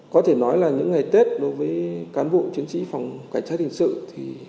có thể nói là những ngày tết đối với cán bộ chiến sĩ phòng cảnh sát hình sự